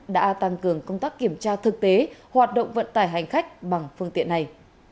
đã tăng cường công tác kiểm tra thực tế hoạt động vận tải hành khách bằng phương tiện này